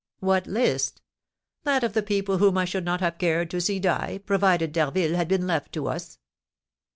"What list?" "That of the people whom I should not have cared to see die, provided D'Harville had been left to us."